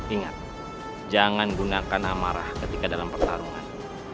ingat jangan gunakan amarah ketika dalam pertarungan